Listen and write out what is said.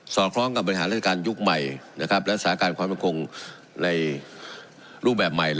อดคล้องกับบริหารราชการยุคใหม่และสาการความมั่นคงในรูปแบบใหม่